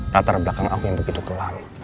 latar belakang aku yang begitu kelam